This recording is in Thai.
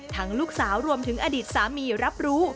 ลูกสาวรวมถึงอดีตสามีรับรู้